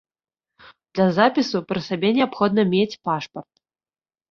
Для запісу пры сабе неабходна мець пашпарт.